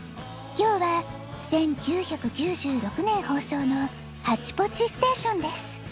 きょうは１９９６ねんほうそうの「ハッチポッチステーション」です。